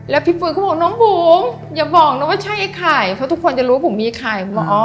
แล้วพี่ปุ้ยเขาบอกน้องบุ๋มอย่าบอกนะว่าใช่ไอ้ไข่เพราะทุกคนจะรู้บุ๋มมีไข่ผมบอกอ๋อ